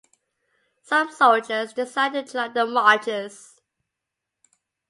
Some soldiers decided to join the marchers.